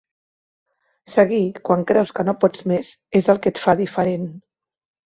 Seguir quan creus que no pots més és el que et fa diferent.